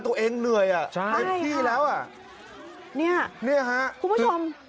ตัวเองเหนื่อยในที่แล้วนี่ครับคุณผู้ชมสะอาวสินะ